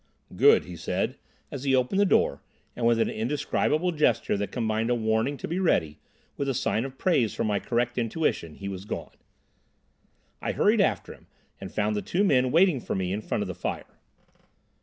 "Good!" he said, as he opened the door, and with an indescribable gesture that combined a warning to be ready with a sign of praise for my correct intuition, he was gone. I hurried after him, and found the two men waiting for me in front of the fire.